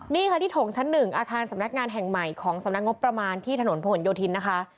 นี่ค่ะที่โถงชั้น๑อาคารสำนักงานแห่งใหม่ของสำนักงบประมาณที่ถนนผนโยธินนะคะ